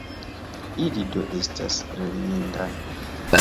Ili do estas lernindaj.